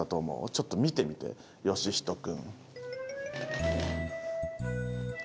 ちょっと見てみてよしひと君。